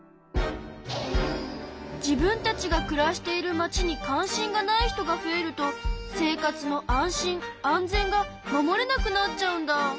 自分たちがくらしているまちに関心がない人が増えると生活の安心・安全が守れなくなっちゃうんだ。